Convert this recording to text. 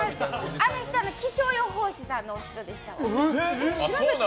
あの人気象予報士さんの方でした。